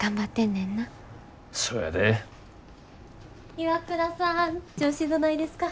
岩倉さん調子どないですか？